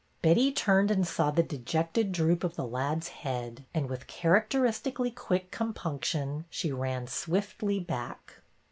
Betty turned and saw the dejected droop of the lad's head and, with characteristically quick compunction, she ran swiftly back.